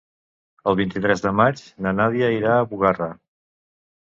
El vint-i-tres de maig na Nàdia irà a Bugarra.